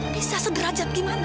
bisa sederajat gimana